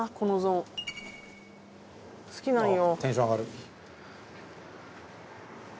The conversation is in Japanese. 好きなんよ。